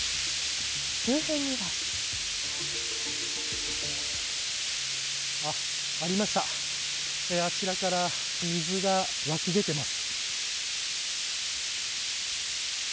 周辺にはありました、あちらから水が湧き出ています。